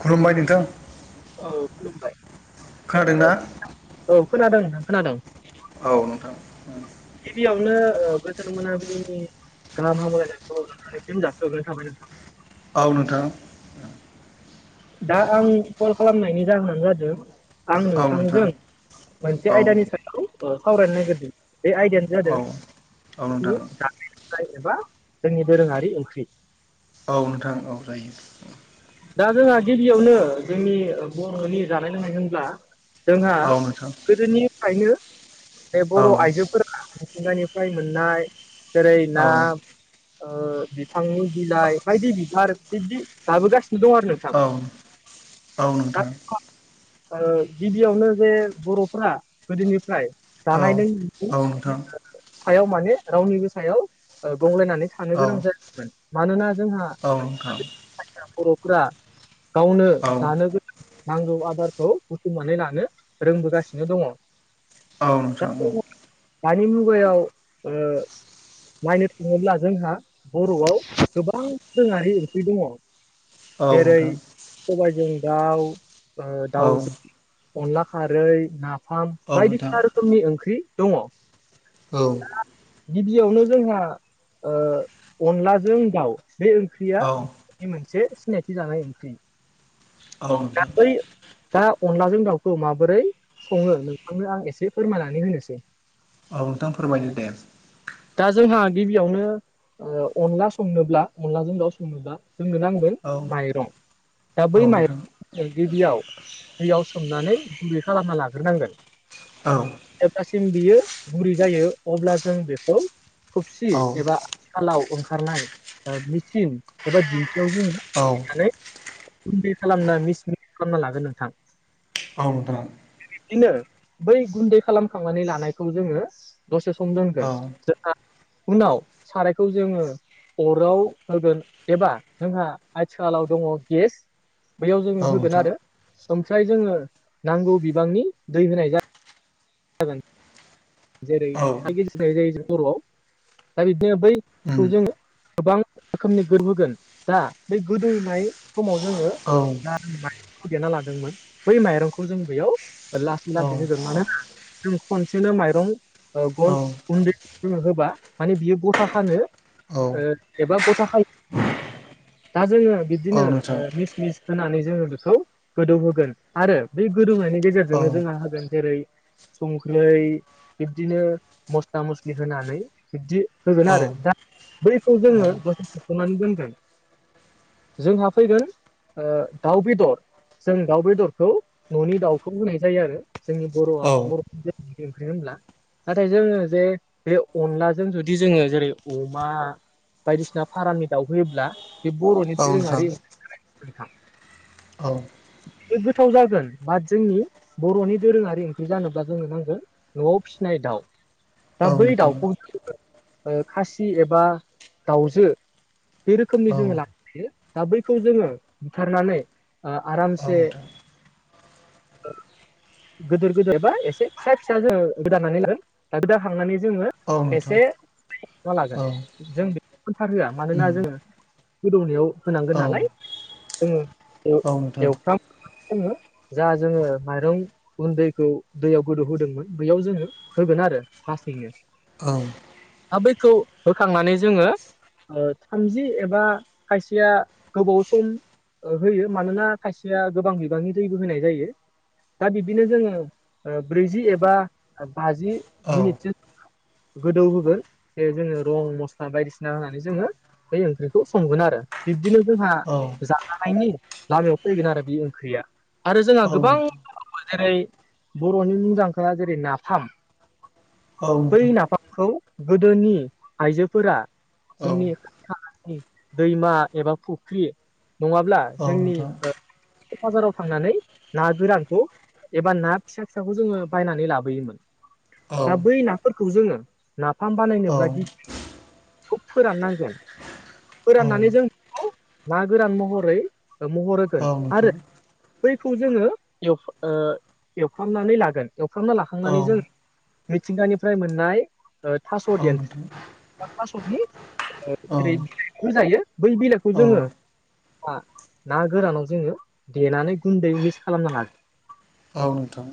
खुलुमबाय नोंथां। औ खुलुमबाय। खोनादों ना? औ खोनादों नोंथां खोनादों। औ नोंथां। गिबियावनो ओ गोजोन मोनाबिलिनि गाहाम हामलायनायखौ नोंथांनिसिम जासि हरनाय थाबाय नोंथां। औ नोंथां दा आं कल खालामनायनि जाहोनानो जादों। आं औ नोंथां नोंथांजों मोनसे औ आयदानि सायाव ओ सावरायनो नागिरदों बे आयदायानो [unintelligible] औ जादों औ नोंथां जानाय लोंनाय एबा जोंनि दोरोङारि ओंख्रि। औ नोंथां औ जायो। दा जोंहा गिबियावनो जोंनि बर'नि जानाय लोंनाय होनब्ला जोंहा औ नोंथां गोदोनिफ्रायनो बे औ बर' आइजो फोरा मिथिंगानिफ्राय मोननाय जेरै औ ना ओ बिफांनि बिलाइ बायदि बिबार बिदि जाबोगासिनो दं आरो नोंथां। औ दा नोंथां ओ गिबियावनो जे बर'फ्रा गोदोनिफ्राय औ जानाय लोंनायनि औ नोंथां औ नोंथां सायाव माने रावनिबो सायाव गंलायनानै था नो औ गोनां जायोन मानोना जोंहा औ नोंथां बर'फोरा गावनो औ नोंथां औ जानो गोनां नांगौ आदारखौ बुथुमनानै लानो रोंबोगासिनो दङ औ दा नोंथां औ दानि मुगायाव ओ नायनो थाङोब्ला जोंहा बर'आव गोबां दोरोंङारि ओंख्रि दङ औ औ जेरै सबायजों दाउ दाउजों अनला खारै ना फाम बायदिसिना रोखोमनि ओंख्रि दङ। औ गिबियावनो जोंहा अनलाजों दाउ बे ओंख्रिया बे मोनसे सिनायथि लानाय ओंख्रि औ दा नोंथां बै दा अनलाजों दाउखौ माबोरै सङो नोंथांनो आं एसे फोरमायनानै होनोसै औ नोंथां फोरमायदो दे दा जोंहा गिबियावनो ओ अनला संनोब्ला अनलाजों दाउ संनोब्ला जोंनो नांगोन माइरं दा औ बै नोंथां माइरं गिबियाव दैयाव सोमनानै गुरै खालामना लाग्रोनांगोन। औ जेब्लासिम बियो गुरै जायो अब्ला जों बेखौ थुबसि औ एबा सिखालाव ओंखारनाय मिसिं एबा दिंखियाव जोंङो औ गुन्दै खालामना मिस मिस खालामना लागोन नोंथां। औ नोंथां बिदिनो बै गुन्दै खालामखांनानै लानायखौ जोंङो दसे सम औ दोनगोन जोंहा उनाव सारायखौ जोंङो अराव होगोन एबा जोंहा आथिखालाव दङ गेस बेयाव औ जोंङो होगोन नोंथां आरो। ओमफ्राय जोंङो नांगौ बिबांनि दै होनाय जा गोन। जेरै औ था गिसिरनाय जायो जों बर'आव दा बिदिनो उम बैखौ जोंङो गोबां रोखोमनि गोदौहोगोन दा बे गोदौनाय समाव जोंङो औ दा माइरंखौ देना लादोंमोन बै माइरंखौ जों बेयाव लासै औ लासै होगोन मानोना जों खनसेनो मा जों अन औ गुन्दैखो होबा माने बियो गथा खानो औ ओ एबा गथा खायो दा जोंङो औ बिदिनो नोंथां मि स होनानै जोंङो बेखौ गोदौ होगोन आरो बे गोदौनायनि औ गेजेरजोंनो जोंहा होगोन जेरै संख्रै बिब्दिनो मस्ला मस्लि होनानै बिब्दि होगोन आरो औ दा बैखौ औ जोंङो दसे थख'नानै दोनगोन जोंहा फैगोन ओ दाउबेदर जों दाउ बेदरखौ न'नि दाउखौ होनाय जायो आरो जोंनि बर'आ औ बर मानो होनब्ला नाथाय जोंङो जे बे अनलाजों जुदि जोंङो जेरै अमा बायदिसिना फारामनि दाउहयोब्ला बे बर'नि औ नोंथां दोरोङारि ओं नोंथां औ बे गोथाव जागोन बाट जोंनि बर'नि दोरोङारि ओंख्रि जानोब्ला जोंनो नांगोन न'आव फिसिनाय दाउ दा औ बै नोंथां दाउखौ खासि एबा दाउजो बे औ रोखोमनि जोङो लानोहायो। दा बैखौ जोङो बुथारनानै आरामसे नोंथां गिदिर गोदोर बा एसे फिसा जो गोदानानै लागोन दा [unintelligible] जोङो औ नोंथां एसे [unintelligible] औ लागोन। जों बेखौथारहोआ मानोना उम जोङो गोदौनायाव औ होनांगोन नालाय। [unintelligible] औ नोंथां एवफ्राम [unintelligible] जा जोङो माइरं गुन्दैखौ दैयाव गोदौहोदोंमोन। बैयाव जोंङो होगोन आरो [unintelligible] औ। दा बैखौ होखांनानै जोङो ओ थामजि एबा खायसेया गोबाव सम ओ होयो मानोना खायसेया गोबां बिबांनि दैबो होनाय जायो। दा बिब्दिनो जोङो ओ ब्रैजि एबा बाजि औ मिनिटसो खो गोदौ होगोन जे जोङो रं मस्ला बायदिसिना होनानै जोङो बै ओंख्रिखौ संगोन आरो बिब्दिनो जोंहा जाजानायनि लामायाव फैगोन आरो। बे ओंख्रिया आरो जोंहा गोबां नोंथां जेरै बर'नि मुंदांखा जेरै नाफाम। औ बै नोंथां नाफाम खौ गोदोनि आइजोफोरा औ जोंनि खाथि खालानि दैमा एबा फुख्रि नङाब्ला औ जोंनि नोंथां ओ बाजाराव थांनानै ना गोरानखौ एबा ना फिसा फिसाखौ जोङो बायनानै लाबोयोमोन औ नोंथां औ दा बै नाफोरखौ जोङो नाफाम औ नोंथां औ बानायनोब्ला गिबि बेखौ फोराननांगोन फोराननानै जों बेखौ ना गोरान महरै महर औ होगोन नोंथां आरो औ बैखौ जोङो एबा ओ एवफ्रामनानै लागोन। एवफ्रामना औ लाखांनानै जों मिथिंगानिफ्राय मोननाय ओ थास' औ देन्था नोंथां थासनि ओ जेरै बिलाइखौ होजायो बै बिलाइखौ जोङो ना गोरानाव जोङो देनानै गुन्दै मिक्स खालामना लाग औ नोंथां।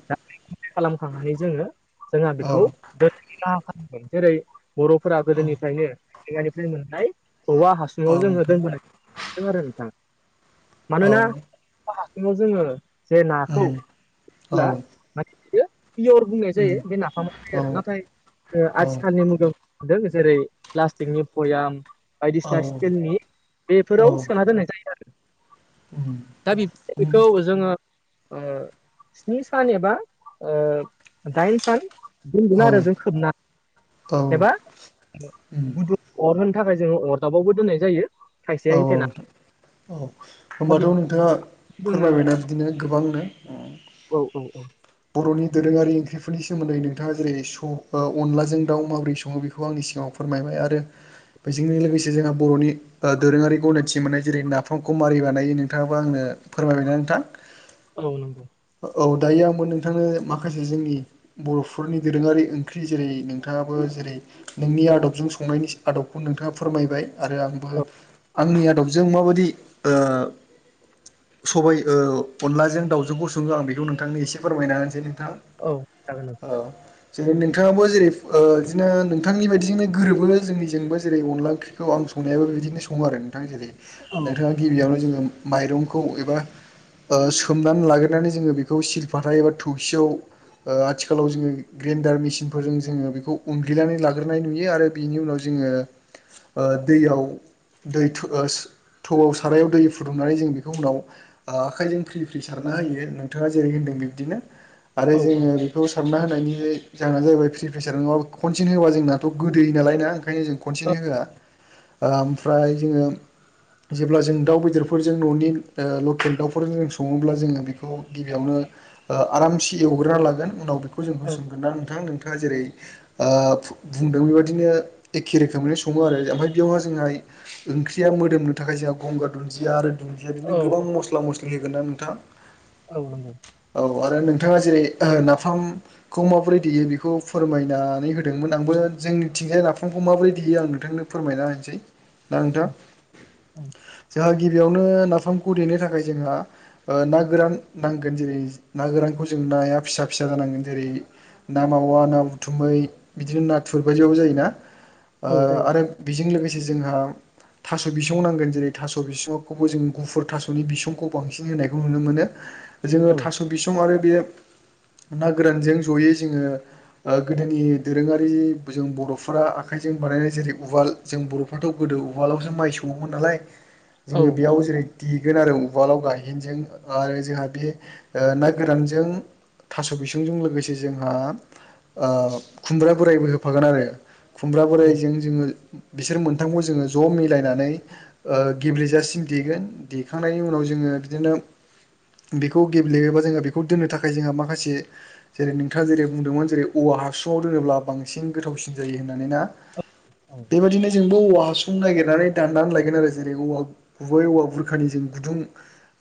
खालामखांनानै जोङो जोंहा बेखौै [unintelligible] खालामगोन जेरै बरफोरा गोदोनिफ्रायनो मिथिंगानिफ्राय मोननाय औवा हासुङाव जोङो औ दोनबोनायखौ नुनो मोनदों आरो नोंथां। मानोना [unintelligible] जोङो जे नाखौ उम [unintelligible] [unintelligible] पियर बुंनाय औ जायो। बे नाफाम [unintelligible] उम आरो नाथाय औ आथिखालनि मुगायाव नुनो मोनदों। जेरै प्लास्टिकनि भयाम औ बायदिसिना स्टिलनि बेफोराव सोना दोननाय जायो आरो। ओम। दा बेखौ जोङो ओ स्नि सान एबा ओ दाइन सान दोनगोन औ आरो जों खोबना एबा उम गुदुं अर होनो थाखाय जोङो अदाबावबो दोननाय जायो। औ खायसेया होथेना औ होनबाथ नोंथाङा जोङो फोरमायबायना बिदिनो गोबांनो औ औ औ। बर'नि दोरोङारि ओंख्रिफोरनि सोमोन्दै नोंथाङा जेरै स ओ अनलाजों दाउ माबोरै सङो। बे बेखौ आंनि सिगाङाव फोरमायबाय आरो बेजोंनो लोगोसे जोंहा बर'नि ओ दोरोङारि गनायथि मोननाय जेरै नाफामखौ मारै बानायो नोंथाङाबो आंनो फोरमायबायना नोंथां। औ नंगौ। औ दायो आंबो नोंथांनो माखासे जोंनि बर'फोरनि दोरोङारि ओंख्रि। जेरै नोंथाङाबो जेरै नोंनि आदबजों संनायनि आदबखौ नोंथाङा फोरमायबाय आरो आंबो औ आंनि आदबजों जों माबादि ओ सबाइ ओ अनलाजों दाउजोंखौ सङो आं बेखौ नोंथांनि एसे फोरमायना होनोसै नोंथां औ। जेरै नोंथाङाबो जेरै ओ इदिनो नोंथांनि बायदिजोंनो गोरोबो जोंनिजोंबो जेरै अनला ओंख्रि खौ आं संनायाबो बिदिनो सङो आरो नोंथां जेरै औ नोंथाङा गिबियावनो जोङो माइरंखौ एबा ओ सोमनानै लाग्रोनानै जोङो बेखौ बाथा एबा थौसियाव ओ आथिखालाव जोङो ग्रेन्डार मेसिनफोरजों जोङो बेखौ उनग्लिनानै लाग्रोनाय नुयो आरो बेनि उनाव जोङो ओ दैयाव दै थो ओस थौआव सारायाव दै फुदुंनानै जों बेखौ उनाव ओ आखायजों फ्रि फ्रि सारना होयो नोंथाङा जेरै होनदों बिबदिनो आरो औ जोङो खौ सारना होनायनि जाहोना जाहैबाय फ्रि प्रेसार नङाबा खनसेन होबा जोंनाथ' गोदै नाल ना ओंखायनो जों औ खनसेनो होआ ओ ओमफ्राय जोङो जेब्ला जों दाउ बेदरफोरजों न'नि ओ लकेल दाउफोरजों जों सङोब्ला जोङो बेखौ गिबियावनो ओ आरामसे एवग्रोना लागोन उनाव बेखौ जों औ होसनगोन ना नोंथां नोंथाङा जेरै ओ फु बुंदों बेबादिनो एखे रोखोमैनो सङो आरो ओमफ्राय बेयावहाय जोंहा ओंख्रिया मोदोमनो थाखाय जोंहा गंगार दुन्दिया आरो दुन्दिया बिदिनो औ गोबां मस्ला मस्लि होगोन ना नोंथां। औ नंगौ। औ आरो नोंथाङा जेरै नाफाम खौ माबोरै देयो बेखौ फोरमायनानै होदोंमोन आंबो जोंनिथिंजाय नाफामखौ माबोरै देयो आं नोंथांनो फोरमायना होनसै ना औ नोंथां। औ जोंहा गिबियावनो नाफामखौ देनो थाखाय जोंहा ओ ना गोरान नांगोन जेरै ना गोरानखौ जों नाया फिसा फिसा जानांगोन जेरै ना मावा ना बुथुमै बिदिनो नाथुर बायदिबाबो जायोना औ ओ जायो आरो बेजों लोगोसे जोंहा थास' बिसं नांगोन जेरै थास' बिसंखौबो जों गुफुर थास'नि बिसंखौ बांसिन होनायखौ नुनो मोनो। [inaudible] जोङो थास' बिसं आरो बे ना गोरानजों जयै जोङो ओ गोदोनि दोरोङारि जों बर'फोरा आखाइजों बानायनाय जेरै उवाल जों बर'फ्राथ' गोदो उवालावसो माइ सङोमोन नालाय। [inaudible] जोङो बेयाव जेरै देगोन आरो उवालाव गायहेनजों ओ जोंहा बे ओ ना गोरानजों थास' बिसंजों लोगोसे जोंहा ओ खुमब्रा बोरायबो होफागोन आरो खुमब्रा औ बोराइजों जोङो बिसोर मोनथामखौ जोङो ज' मिलायनानै ओ गेब्लेजासिम देगोन देखांनायनि उनाव जोङो बिदिनो बेखौ गेब्लेयोबा जोङो बेखौ दोननो थाखाय जोंहा माखासे जेरै नोंथाङा जेरै बुंदोंमोन जेरै औवा हासुङाव दोनोब्ला बांसिन गोथावसिन जायो होननानै ना औ बेबादिनो जोंबो औवा हा सुं नागिरनानै दाननानै लायगोन आरो जेरै औवा गुबै औवा बुरखानिजों गुदुं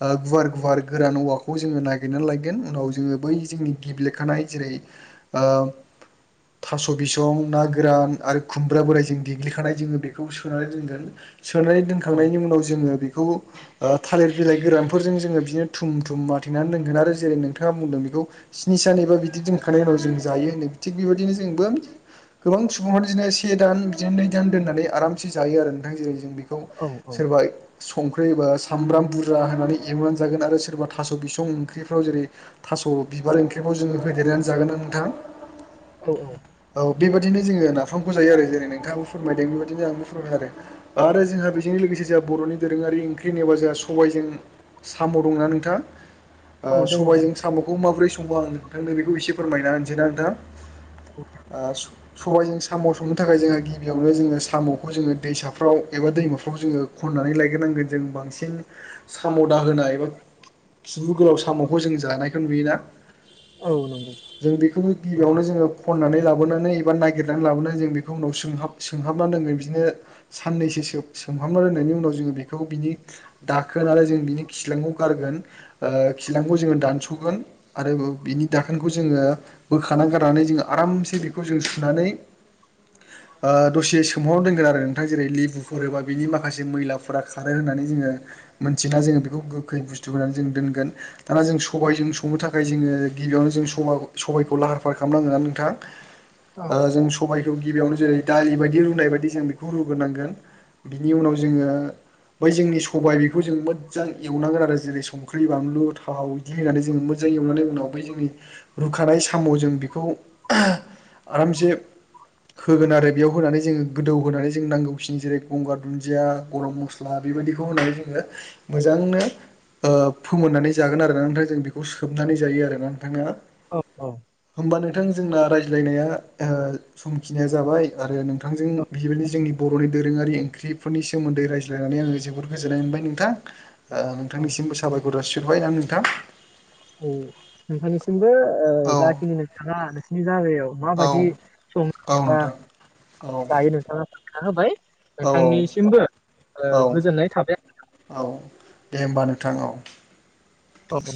ओ गुवार गुवार गोरान औवा खौ जोङो नागिरनानै लायगोन उनाव जोङो बै जोंनि गिब्लेखानाय जेरै ओ थास' बिसं ना गोरान आरो खुमब्रा बोरायजों देग्लिखानाय जोङो बेखौ सोनानै दोनगोन। सोनानै औ दोनखांनायनि उनाव जोङो बेखौ ओ थालिर बिलाइ गोरानफोरजों जोङो बिदिनो थुम थुम माथेनानै दोनगोन आरो जेरै नोंथाङा बुंदों बेखौ स्नि सानै एबा बिदि दोनखांनायनि उनाव जों जायो होनो थिग बेबादिनो जोंबो गोबां सुबुंआनो दिनो से दान बिदिनो नै दान दोननानै आरामसे जायो आरो नोंथां जेरै जों बे खो औ सोरबा संख्रि एबा सामब्राम बुरजा होनानै एवनानै जागोन आरो सोरबा थास' बि सं ओंख्रिफ्राव जेरै थास' बिबार ओंख्रिफ्राव जोङो होदेरनानै जागोन ना नोंथां। औ औ। औ बेबायदिनो जोङो नाफामखौ जायो आरो जेरै नोंथाङाबो फोरमायदों बेबायदिनो आंबो फोरमायदों आरो आरो जोंहा बेजोंनो लोगोसे जोंहा बर'नि दोरोङारि ओंख्रि नेबा जोंहा सबाइजों साम' दंना नोंथां ओ औ औ दङ दङ सबायजों साम'खौ माबोरै संबाव आं नोंथांनो बेखौ एसे फोरमायना होनसैना नोंथां [inaudible] आ स सबायजों साम' संनो थाखाय जोंहा गिबियावनो जोङो साम'खौ जोङो दैसाफ्राव एबा दैमाफ्राव जोङो खननानै लायग्रोनांगोन जों बांसिन साम'दा होनाय एबा किबु गोलाव साम'खौ जों जानायखौ नुयोना औ न जों बेखौ गिबियावनो जोङो खननानै लाबोनानै एबा नागिरनानै लाबोनानै जों बेखौ उनाव सोंहाब सोंहाबना दोंगोन बिदिनो साननैसो सो सोंहाबना दोंनायनि उनाव जोङो बेखौ बिनि दाखोन आरो जों बिनि खिलांखौ गारगोन ओ खिलांखौ जोङो दानस'गोन आरो ओ बिनि दाखोनखौ जोङो बोखाना गारनानै जों आरामसे बेखौ जों सुनानै [inaudible] ओ दसे सोंहरनो दोनगोन आरो नोंथाङा जेरै लेबुफोर एोबा बिनि माखासे मैलाफोरा खारो होननानै जोङो मोनथिना जोङो बेखौ गोखै बुस्थु होनानै जों दोनगोन दाना जों सबायजों संनो था खाय जोङो गिबियावनो साबा सबायखौ लाहार फाहार खालामनांगोन नोंथां औ औ ओ जों स सबायाइखौ गिबियावनो जेरै दालि बायदि रुनाय बायदि जों बेखौ रुगोरनांगोन बिनि उनाव जोङो बै जोंनि सबायाइ बेखौ जों मोजां एवनांगोन आरो जेरै समखौ ख्रि बानलु थाव इदि होननानै जोङो मोजांङै एवनानै उनाव जोंनि रुखानाय साम' जों बेखौ आरामसे होगोन आरो बेयाव होनानै जोङो गोदौ होनानै जों नांगौखिन जेरै गंगार दुन्दिया गरम मस ला बेबायाददिखौ होनानै जोङो मोजांनो ओ फोमोननानै जागोन आरोना ओमफ्राय जों बेखौ सोबनानै जायो आरोना थाङा औ औ होमबा नोंथां जोंना रायज्लायनाया समखिनाया जाबाय आरो नोंथांजों बेबायदि जोंनि बर'नि दोरोङारि ओंख्रिफोरनि सो सोमोन्दै रायज्लायनानै आङो जोबोद गोजोननाय मोनबाय नोंथां ओ औ नोंथांनिसिमबो साबायखर जासिहरबाय आं नोंथां औ नोंथांनिसिमबो ओ औ जाखिनि नोंथाङा नोंसिनि जागायाव औ माबायदि सङो औ एबा नोंथां औ जायो नोंथाङा थाहोबाय औ नोंथांनिसिमबो औ गोजोननाय ओ थाबाय आ औ दे होमबा नोंथां औ औ